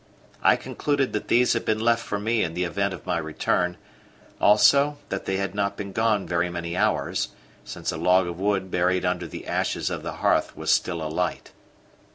I concluded that these had been left for me in the event of my return; also that they had not been gone very many hours, since a log of wood buried under the ashes of the hearth was still alight.